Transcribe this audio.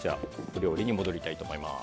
お料理に戻りたいと思います。